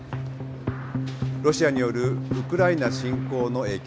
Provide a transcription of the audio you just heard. ロシアによるウクライナ侵攻の影響